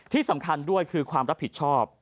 ที่สำคัญด้วยคือความรับผิดชอบ